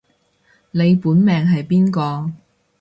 你本命係邊個